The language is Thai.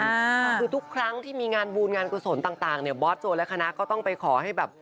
คือทุกครั้งที่มีงานบุญงานกุศลต่างเนี่ยบอสโจและคณะก็ต้องไปขอให้แบบ